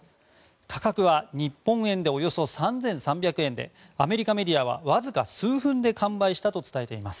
価格は日本円でおよそ３３００円でアメリカメディアはわずか数分で完売したと伝えています。